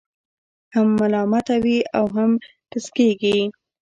هم ملامته وي، هم ټسکېږي.